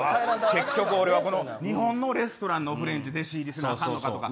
結局俺は日本のレストランのフレンチ弟子入りせなあかんのかとか。